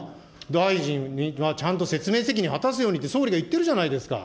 大臣がちゃんと説明責任果たすようにって、総理が言ってるじゃないですか。